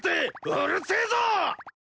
うるせえぞ！